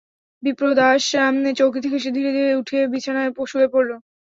বিপ্রদাস চৌকি থেকে ধীরে ধীরে উঠে বিছানায় শুয়ে পড়ল।